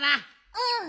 うん。